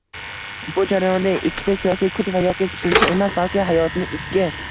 Bu jarayonda, ikkita siyosiy kuch yoki tushuncha emas, balki hayotni ikki